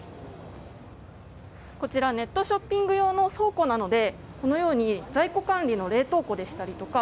こちらネットショッピング用の倉庫なのでこのように在庫管理の冷凍庫でしたりとか